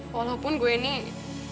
walaupun gue nih